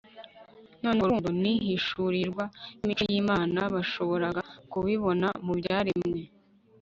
noneho urwo rukundo n'ihishurirwa y'imico y'imana bashaboraga kubibona mu byaremwe